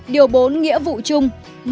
điều bốn nghĩa vụ chung